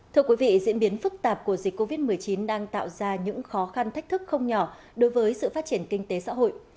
thưa quý vị diễn biến phức tạp của dịch covid một mươi chín đang tạo ra những khó khăn thách thức không nhỏ đối với sự phát triển kinh tế xã hội